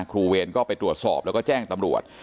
เวรก็ไปตรวจสอบแล้วก็แจ้งตำรวจ